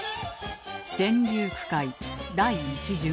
川柳９会第１巡目